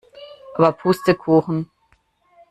Aber Pustekuchen!